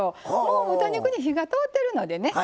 もう豚肉に火が通ってるのでね